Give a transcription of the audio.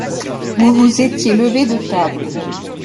Vous vous étiez levés de table.